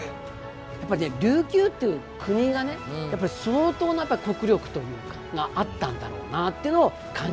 やっぱりね琉球っていう国がねやっぱり相当な国力があったんだろうなっていうのを感じるわけですよね。